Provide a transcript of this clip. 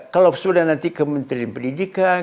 kalau sudah nanti kementerian pendidikan